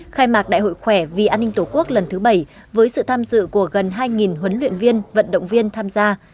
khai mạc đại hội khỏe vì an ninh tổ quốc lần thứ bảy với sự tham dự của gần hai huấn luyện viên vận động viên tham gia